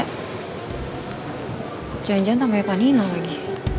kok jan jan tambah ya panino lagi